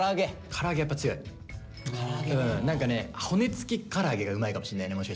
何かね骨付きから揚げがうまいかもしんないねもしかしたら。